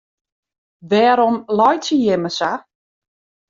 Wêrom laitsje jimme sa?